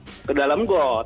ya tetap ke dalam got